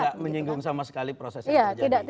tidak menyinggung sama sekali proses yang terjadi